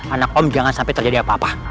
anak om jangan sampai terjadi apa apa